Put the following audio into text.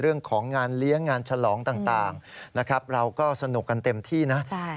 เรื่องของงานเลี้ยงงานฉลองต่างนะครับเราก็สนุกกันเต็มที่นะ